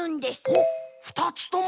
ほうっふたつとも！？